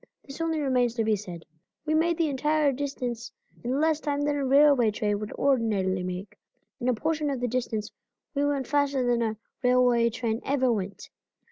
This only remains to be said: We made the entire distance in less time than a railway train would ordinarily make, and a portion of the distance we went faster than a railway train ever went.